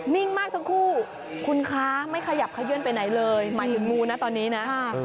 นิ่งมากทั้งคู่คุณคะไม่ขยับขยื่นไปไหนเลยหมายถึงงูนะตอนนี้นะ